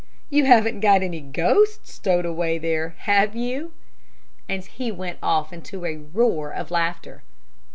"You haven't got any ghosts stowed away there, have you?" And he went off into a roar of laughter.